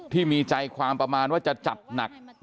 ที่มีใจความประมาณว่าจะจัดหนัก